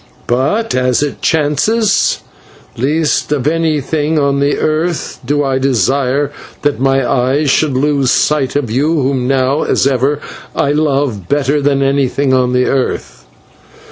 But as it chances, least of anything on the earth do I desire that my eyes should lose sight of you, whom now as ever I love better than anything on the earth."